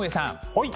はい。